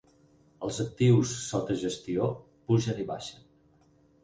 Els actius sota gestió pugen i baixen.